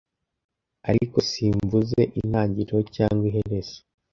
Ariko simvuze intangiriro cyangwa iherezo.